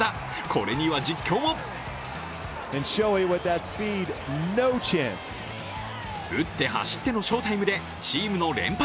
これには実況も打って走っての翔タイムでチームの連敗